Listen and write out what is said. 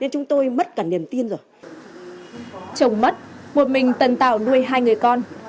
chồng mất một mình tần tạo nuôi hai người con